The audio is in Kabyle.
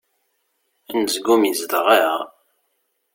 Anezgum izdeɣ-aɣ.